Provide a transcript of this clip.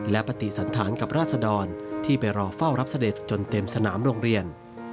และปฏิสันธารกับราศดรที่ไปรอเฝ้ารับเสด็จจนเต็มสนามโรงเรียน